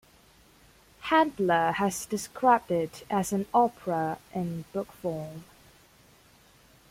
Handler has described it as an "opera in book form".